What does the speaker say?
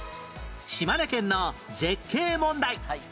島根県の絶景問題